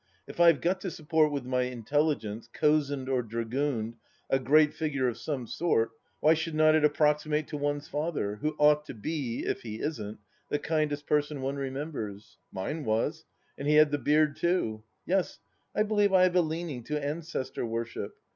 If I have got to support with my intelligence, cozened or dragooned, a Great Figure of some sort, why should not it approximate to one's father, who ought to be, if he isn't, the kindest person one re members ? Mine was. And he had the beard, too. Yes, I believe I have a leaning to ancestor worship.